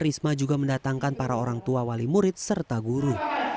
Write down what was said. risma juga mendatangkan para orang tua wali murid serta guru